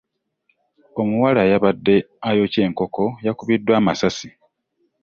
Omuwala eyabade ayokya enkoko yakubidwa amasasi.